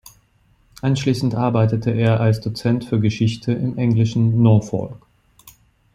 Anschließend arbeitete er als Dozent für Geschichte im englischen Norfolk.